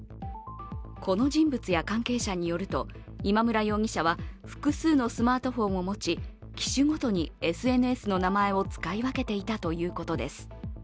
この人物や関係者によると、今村容疑者は複数のスマートフォンを持ち、機種ごとにＳＮＳの名前を使い分けていたということです。